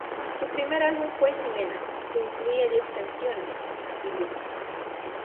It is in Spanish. Su primer álbum fue "Jimena", que incluía diez canciones, escribió.